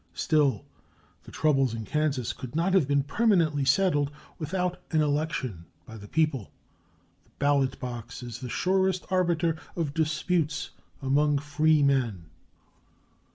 Still, the troubles in Kansas could not have been permanently settled without an election by the people. The ballot box is the surest arbiter of disputes among freemen.